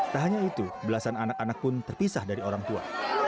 tak hanya itu belasan anak anak pun terpisah dari orang tua